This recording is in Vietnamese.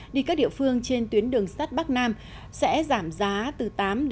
đi các địa phương trên tuyến đường sắt bắc nam sẽ giảm giá từ tám mươi